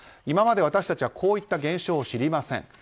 今まで私たちはこういった現象を知りません。